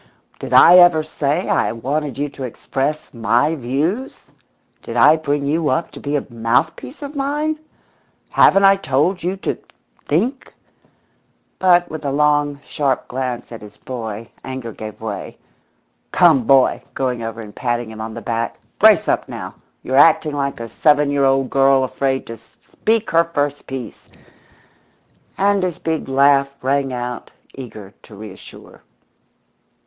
"Did I ever say I wanted you to express 'my views'? Did I bring you up to be a mouthpiece of mine? Haven't I told you to think?" But with a long, sharp glance at his boy anger gave way. "Come, boy" going over and patting him on the back "brace up now. You're acting like a seven year old girl afraid to speak her first piece," and his big laugh rang out, eager to reassure.